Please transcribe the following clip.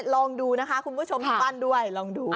ลองดูนะคะคุณผู้ชมที่บ้านด้วยลองดู